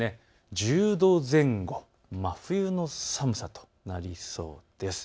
１０度前後、真冬の寒さとなりそうです。